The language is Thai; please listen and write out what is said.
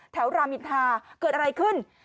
แถวรามิทาเกิดอะไรขึ้น